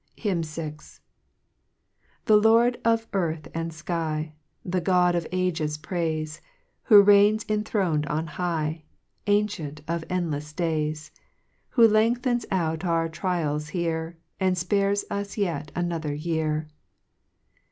T HYMN VI. |HE Loan of earth and Iky, The God of ages praife, Who reigns enthnm'd on high, Ancient of endlefs days,, Who lengthens out our trials here, And fpares us yet another year.